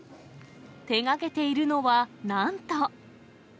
手がけているのは、なんと。